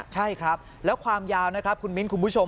ใช่ครับแล้วความยาวนะครับคุณมิ้นคุณผู้ชม